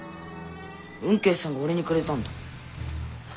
吽慶さんが俺にくれたんだ。